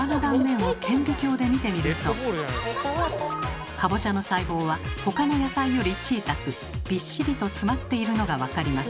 さらにかぼちゃの細胞は他の野菜より小さくびっしりと詰まっているのが分かります。